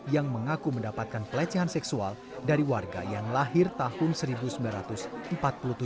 yang mengaku mendapatkan pelecehan seksual dari warga yang lahir tahun seribu sembilan ratus empat puluh tujuh